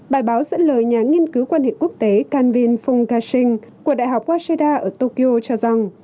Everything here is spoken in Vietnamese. bài báo dẫn lời nhà nghiên cứu quan hệ quốc tế canvin phung kha shing của đại học waseda ở tokyo cho rằng